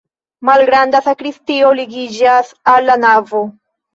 Malgranda sakristio ligiĝas al la navo.